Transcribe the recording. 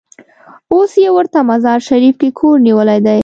اوس یې ورته مزار شریف کې کور نیولی دی.